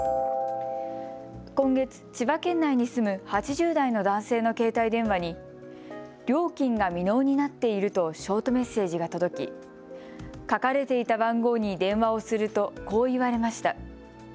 今月、千葉県内に住む８０代の男性の携帯電話に料金が未納になっているとショートメッセージが届き、書かれていた番号に電話をするとこう言われました。